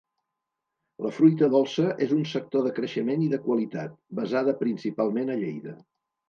La fruita dolça és un sector de creixement i de qualitat, basada principalment a Lleida.